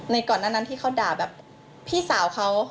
ก่อนหน้านั้นที่เขาด่าแบบพี่สาวเขา